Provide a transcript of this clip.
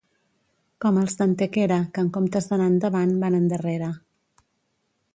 Com els d'Antequera que en comptes d'anar endavant van endarrere